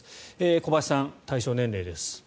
小林さん、対象年齢です。